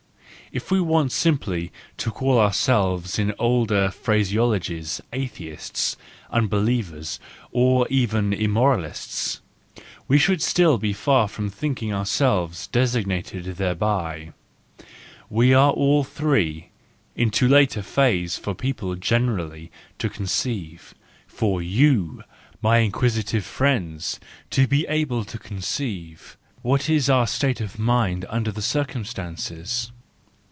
If we wanted simply to call our¬ selves in older phraseology, atheists, unbelievers, or even immoralists, we should still be far from thinking ourselves designated thereby: we are all three in too late a phase for people generally to conceive, for you, my inquisitive friends, to be able to conceive, what is our state of mind under the circumstances.